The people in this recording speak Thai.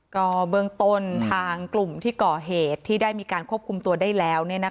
ก็เบื้องต้นทางกลุ่มที่ก่อเหตุที่ได้มีการควบคุมตัวได้แล้ว